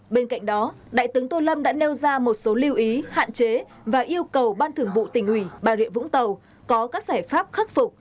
bên cạnh đó đại tướng tô lâm đã nêu ra một số lưu ý hạn chế và yêu cầu ban thường vụ tỉnh ủy bà rịa vũng tàu có các giải pháp khắc phục